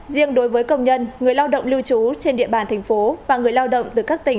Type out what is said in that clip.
riêng đối với công nhân người lao động lưu trú trên địa bàn thành phố và người lao động từ các tỉnh